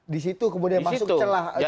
di situ kemudian masuk celah